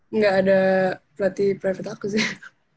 enggak ada pelatih private aku sih